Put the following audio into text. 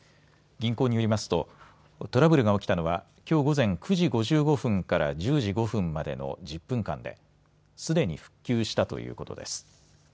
銀行によりますとトラブルが起きたのはきょう午前９時５５分から１０時５分までの１０分間ですでに復旧したということです。